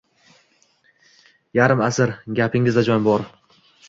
— Yarim asr? Gapingizda jon bor.